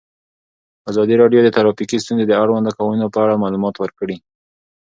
ازادي راډیو د ټرافیکي ستونزې د اړونده قوانینو په اړه معلومات ورکړي.